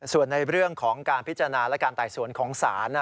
ส่วนในเรื่องของการพิจารณาและการไต่สวนของศาล